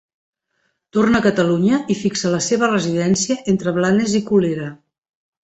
Torna a Catalunya i fixa la seva residència entre Blanes i Colera.